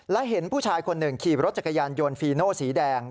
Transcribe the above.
และเห็นผู้ชายคนหนึ่งขี่รถจักรยานยนต์ฟีโน่สีแดง